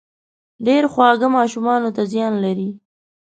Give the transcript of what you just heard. ډېر خواږه ماشومانو ته زيان لري